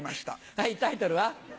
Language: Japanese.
はいタイトルは？